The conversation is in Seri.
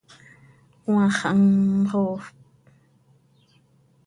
Cmaax xaa mxoofp.